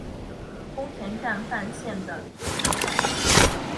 宫田站饭田线的铁路车站。